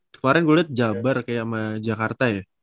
kemaren gue liat jabar kayak sama jakarta ya